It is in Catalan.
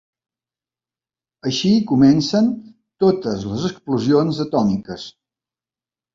Així comencen totes les explosions atòmiques.